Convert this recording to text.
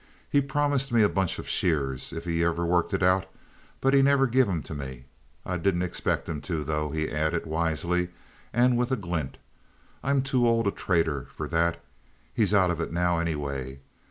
He promised me a bunch of sheers if he ever worked it out, but he never give 'em to me. I didn't expect him to, though," he added, wisely, and with a glint. "I'm too old a trader for that. He's out of it now, anyway.